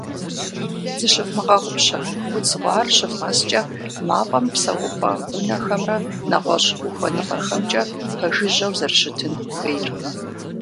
Зыщывмыгъэгъупщэ, удз гъуар щывгъэскӏэ мафӏэм псэупӏэ унэхэмрэ нэгъуэщӏ ухуэныгъэхэмкӏэ пэжыжьэу зэрыщытын хуейр.